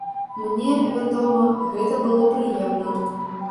Мне, вядома, гэта было прыемна.